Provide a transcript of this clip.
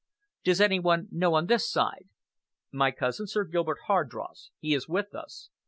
"Does any one know on this side?" "My cousin, Sir Gilbert Hardross. He is with us.